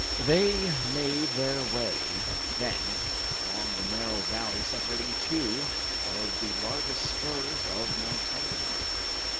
They made their way then along the narrow valley separating two of the largest spurs of Mount Franklin.